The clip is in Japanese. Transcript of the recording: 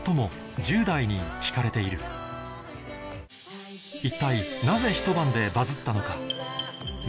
今一体なぜひと晩でバズったのか？とは？